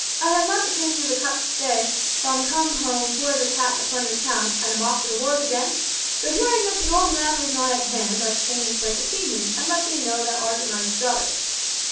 I have not the turning of a cup to stay, for I'm come home poor as a cat in a plundered town, and am off to the wars again; but hearing that the old man was nigh at hand, I came this way to see him, and let thee know thou art a knight's daughter.